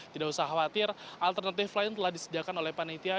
tidak usah khawatir alternatif lain telah disediakan oleh panitia